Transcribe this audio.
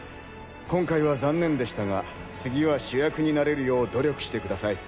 今回は残念でしたが次は主役になれるよう努力してください。